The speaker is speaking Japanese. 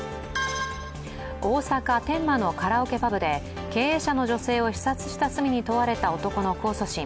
大阪・天満のカラオケパブで、経営者の女性を刺殺した罪に問われた男の控訴審。